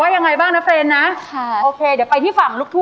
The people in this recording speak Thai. มันอัดอันบีบคันในใจถึงยอมให้มันออกมา